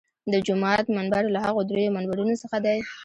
د جومات منبر له هغو درېیو منبرونو څخه دی.